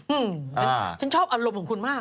ฉันชอบอารมณ์ของคุณมาก